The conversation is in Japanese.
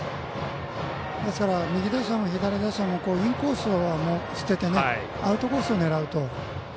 ですから、右打者も左打者もインコースを捨ててアウトコースを狙うと。